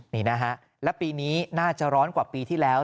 นี่นะฮะและปีนี้น่าจะร้อนกว่าปีที่แล้ว